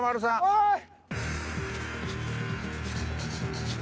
おい！